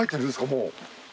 もう。